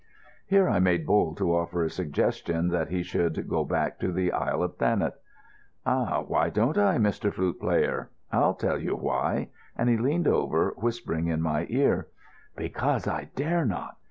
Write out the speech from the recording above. Here I made bold to offer a suggestion that he should go back to the Isle of Thanet. "Ah, why don't I, Mr. Flute player? I'll tell you why," and he leaned over, whispering in my ear: "Because I dare not.